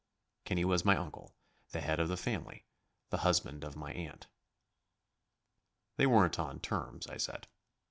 Kenny was my uncle, the head of the family, the husband of my aunt. "They weren't on terms," I said.